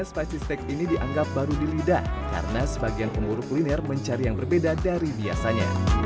spice steak ini dianggap baru di lidah karena sebagian pemburu kuliner mencari yang berbeda dari biasanya